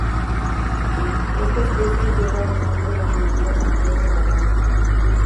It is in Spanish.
Esta especie lleva el nombre en honor a Pedro Galán.